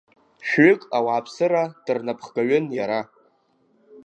Шәҩык ауааԥсыра дырнаԥхгаҩын иара.